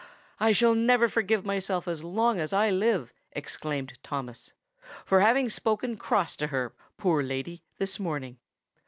"I never shall forgive myself as long as I live," exclaimed Thomas, "for having spoken cross to her, poor lady, this morning."